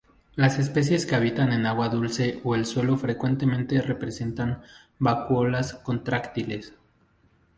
Las especies que habitan en agua dulce o el suelo frecuentemente presentan vacuolas contráctiles.